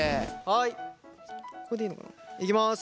はいいきます。